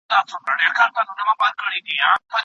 لوستې مور د ماشومانو د ؛خوب عادت تنظيموي.